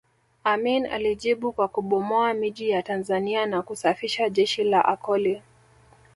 Amin alijibu kwa kubomoa miji ya Tanzania na kusafisha jeshi la Akoli